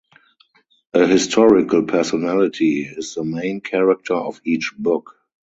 A historical personality is the main character of each book.